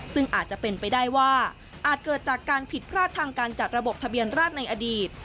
ซึ่งอาจจะเป็นไปได้ว่าอาจเกิดจากการผิดพลาดทางการจัดระบบทะเบียนราชในอดีต